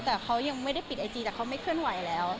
แต่เขายังไม่ได้ปิดไอจีแต่เขาไม่เคลื่อนไหวแล้ว